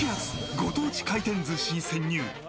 ご当地回転寿司に潜入！